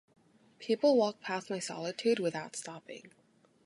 People walk pass my solitude without stopping.